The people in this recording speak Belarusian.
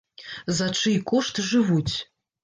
За чый кошт жывуць?